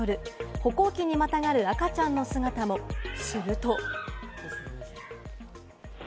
歩行器にまたがる赤ちゃんの姿も、すると。